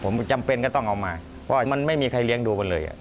ผมจำเป็นก็ต้องเอามาเพราะมันไม่มีใครเลี้ยงดูกันเลย